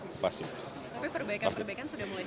tapi perbaikan perbaikan sudah mulai